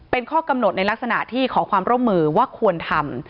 เป็นข้อกำหนดในลักษณะที่ขอความร่วมมือว่าควรทำ